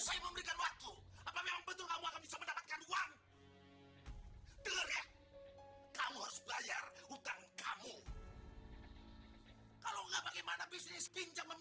kamu harus bayar